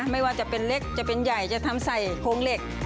ไม่ว่าจะเป็นเล็กจะเป็นใหญ่จะทำใส่โครงเหล็ก